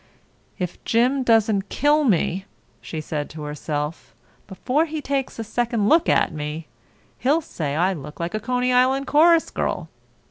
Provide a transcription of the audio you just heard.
"If Jim doesn't kill me," she said to herself, "before he takes a second look at me, he'll say I look like a Coney Island chorus girl.